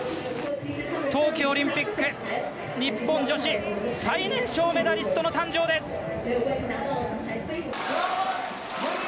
冬季オリンピック日本女子最年少メダリストの誕生です。